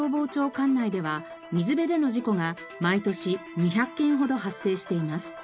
管内では水辺での事故が毎年２００件ほど発生しています。